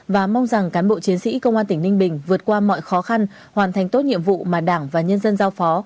và mong rằng cán bộ chiến sĩ công an tỉnh ninh bình vượt qua mọi khó khăn hoàn thành tốt nhiệm vụ mà đảng và nhân dân giao phó